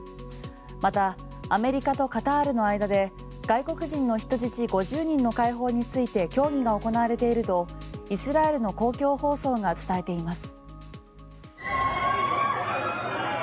また、アメリカとカタールの間で外国人の人質５０人の解放について協議が行われているとイスラエルの公共放送が伝えています。